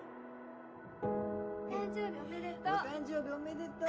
誕生日おめでとう。